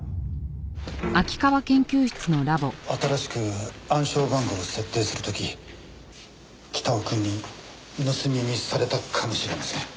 新しく暗証番号を設定する時北尾くんに盗み見されたかもしれません。